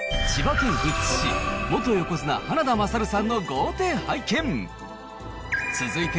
千葉県富津市、元横綱・花田虎上さんの豪邸拝見。